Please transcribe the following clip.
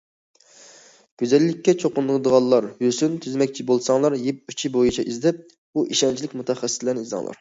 گۈزەللىككە چوقۇنىدىغانلار ھۆسن تۈزىمەكچى بولساڭلار، يىپ ئۇچى بويىچە ئىزدەپ، بۇ ئىشەنچلىك مۇتەخەسسىسلەرنى ئىزدەڭلار.